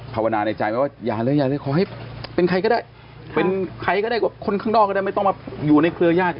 ภาวนาในใจไหมว่าอย่าเลยอย่าเลยขอให้เป็นใครก็ได้เป็นใครก็ได้คนข้างนอกก็ได้ไม่ต้องมาอยู่ในเครือญาติ